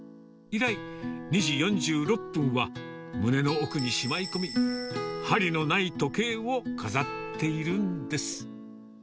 以来、２時４６分は胸の奥にしまい込み、針のない時計を飾っているんです。